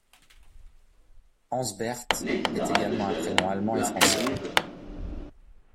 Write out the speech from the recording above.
Ansbert est également un prénom allemand et français.